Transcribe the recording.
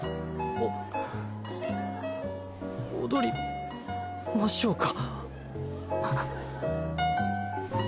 お踊りましょうか？